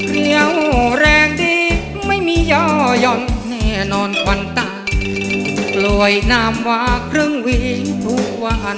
เรี่ยวแรงดีไม่มีเยายอดแน่นอนควันต่างปล่วยนามวากเรื่องหวีทุกวัน